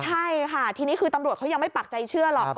ใช่ค่ะทีนี้คือตำรวจเขายังไม่ปักใจเชื่อหรอก